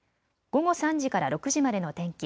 午後３時から６時までの天気。